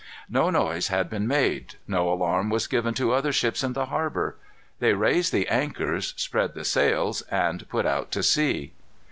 No noise had been made. No alarm was given to other ships in the harbor. They raised the anchors, spread the sails, and put out to sea.